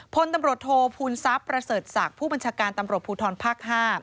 พลตำรวจโทษภูมิทรัพย์ประเสริฐศักดิ์ผู้บัญชาการตำรวจภูทรภาค๕